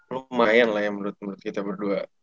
lumayan lah ya menurut kita berdua